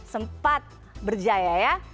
sempat berjaya ya